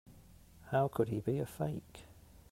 How could he be a fake?